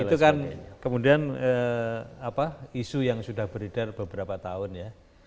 itu kan kemudian isu yang sudah beredar beberapa tahun ya